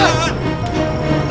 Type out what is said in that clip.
kamu harus lama gamau